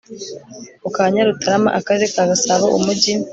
ku Nyarutarama Akarere ka Gasabo Umujyi